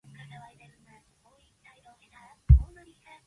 Type One Chebyshev filters are the most common types of Chebyshev filters.